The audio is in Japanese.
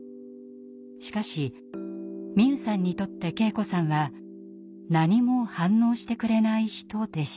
しかし美夢さんにとって圭子さんは「何も反応してくれない人」でした。